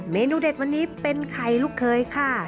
เมนูเด็ดวันนี้เป็นไข่ลูกเคยค่ะ